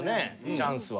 チャンスは。